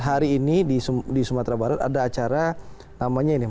hari ini di sumatera barat ada acara namanya ini